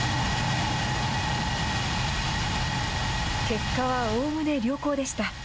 結果はおおむね良好でした。